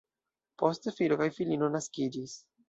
Poste filo kaj filino naskiĝis.